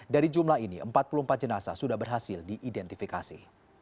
dari jumlah ini empat puluh empat jenasa sudah berhasil diidentifikasi